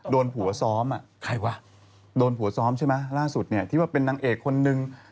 โดนผัวซ้อมอ่ะใครวะโดนผัวซ้อมใช่ไหมล่าสุดเนี่ยที่ว่าเป็นนางเอกคนนึง